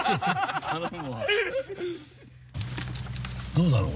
どうだろう？